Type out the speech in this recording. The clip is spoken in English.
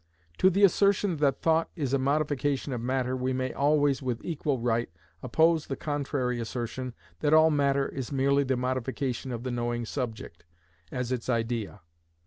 To the assertion that thought is a modification of matter we may always, with equal right, oppose the contrary assertion that all matter is merely the modification of the knowing subject, as its idea.